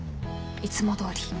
いつもどおり。